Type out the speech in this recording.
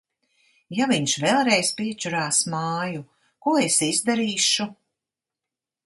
Ja viņš vēlreiz piečurās māju, ko es izdarīšu?